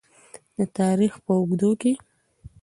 د تاریخ په اوږدو کې.